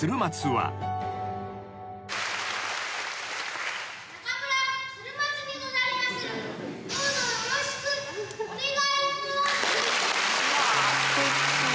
はい。